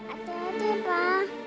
aduh aduh papa